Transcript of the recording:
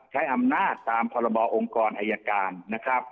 ใช้อำนาจตามพรบองค์กรอายการนะครับ